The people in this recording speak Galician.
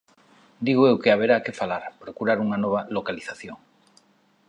Digo eu que haberá que falar, procurar unha nova localización.